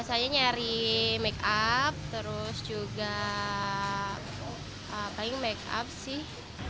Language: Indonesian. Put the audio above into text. biasanya nyari make up terus juga paling make up sih